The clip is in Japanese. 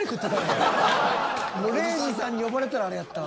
もう礼二さんに呼ばれたらあれやった。